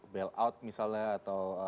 bailout misalnya atau